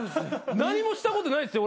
何もしたことないっすよ